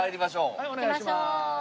はいお願いしまーす。